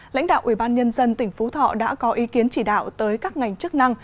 lãnh đạo ubnd tỉnh phú thọ đã có ý kiến chỉ đạo tới các ngành chức năng